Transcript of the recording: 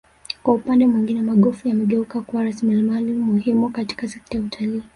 kwa upande mwingine magofu yamegeuka kuwa rasilimali muhimu katika sekta ya utalii